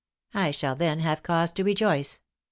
I shall then have cause to rejoice.